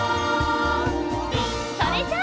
それじゃあ！